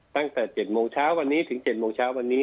ตั้งแต่๗โมงเช้าวันนี้ถึง๗โมงเช้าวันนี้